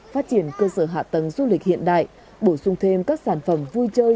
phát triển cơ sở hạ tầng du lịch hiện đại bổ sung thêm các sản phẩm vui chơi